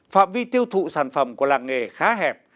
phạm vi tiêu thụ sản phẩm của làng nghề khá hẹp